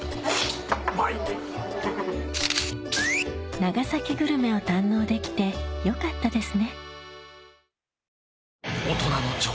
長崎グルメを堪能できてよかったですね